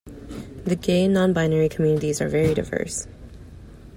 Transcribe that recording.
The gay and non-binary communities are very diverse.